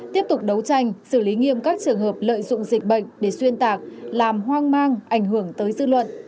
tiếp tục đấu tranh xử lý nghiêm các trường hợp lợi dụng dịch bệnh để xuyên tạc làm hoang mang ảnh hưởng tới dư luận